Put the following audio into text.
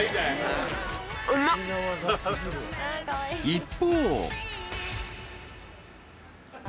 ［一方］